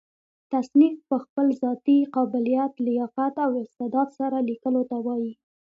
تصنیف په خپل ذاتي قابلیت، لیاقت او استعداد سره؛ ليکلو ته وايي.